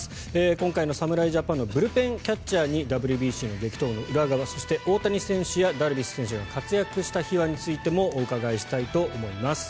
今回の侍ジャパンのブルペンキャッチャーにＷＢＣの激闘の裏側そして、大谷選手やダルビッシュ選手が活躍した秘話についてもお伺いしたいと思います。